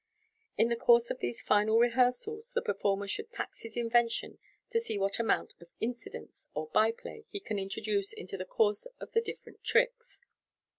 In the course of these final rehearsals the performer should tax his invention to see what amount of "incidents," or byplay, he can introduce in the course of the different tricks.